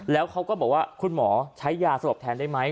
แล้วเขาก็บอกว่าคุณหมอใช้ยาสลบแทนได้ไหม